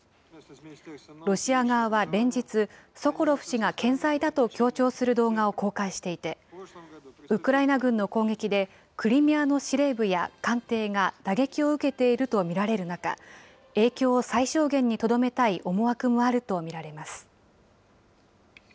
ロシア側は連日、ソコロフ氏が健在だと強調する動画を公開していて、ウクライナ軍の攻撃でクリミアの司令部や艦艇が打撃を受けていると見られる中、影響を最小限にとどめたい思惑もあると見られます。